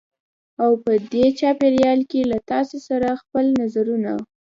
او په دې چاپېریال کې له تاسې سره خپل نظرونه